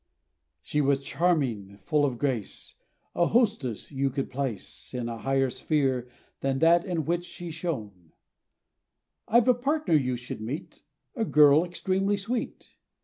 ] SHE was charming, full of grace, A hostess, you could place In a higher sphere, than that in which she shone, "I've a partner you should meet, A girl, extremely sweet!"